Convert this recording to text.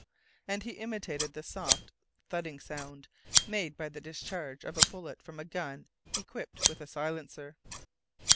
and he imitated the soft, thudding sound made by the discharge of a bullet from a gun equipped with a silencer.